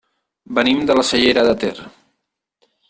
Venim de la Cellera de Ter.